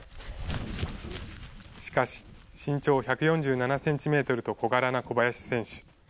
しかし、身長１４７センチメートルと小柄な小林選手。